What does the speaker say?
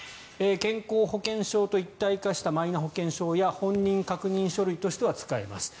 健康保険証と一体化したマイナ保険証や本人確認書類としては使えます。